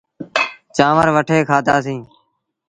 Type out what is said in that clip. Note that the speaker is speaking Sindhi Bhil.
چآنور وٺي کآڌآسيٚݩ۔